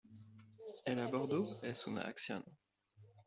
El aborto es una acción.